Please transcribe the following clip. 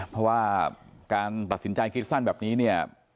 เพราะว่าการตัดสินใจคิดสั้นแบบนี้เนี่ย